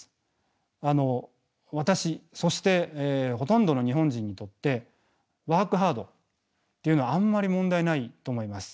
私そしてほとんどの日本人にとってワークハードっていうのはあんまり問題ないと思います。